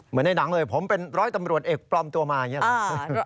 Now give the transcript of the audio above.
ในหนังเลยผมเป็นร้อยตำรวจเอกปลอมตัวมาอย่างนี้หรอ